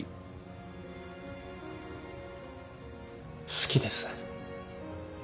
好きです。